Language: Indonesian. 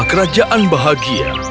nama kerajaan bahagia